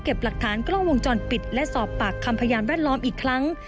หลักฐานกล้องวงจรปิดและสอบปากคำพยานแวดล้อมอีกครั้ง